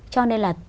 cho nên là